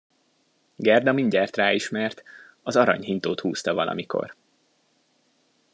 Gerda mindjárt ráismert: az aranyhintót húzta valamikor.